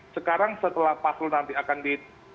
sekarang setelah ini kita sudah berkomunikasi dengan partai politik